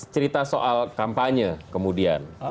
cerita soal kampanye kemudian